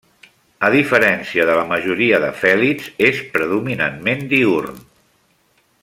A diferència de la majoria de fèlids, és predominantment diürn.